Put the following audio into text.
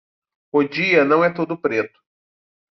O dia não é todo preto